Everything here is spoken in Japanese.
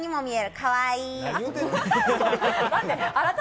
かわいい！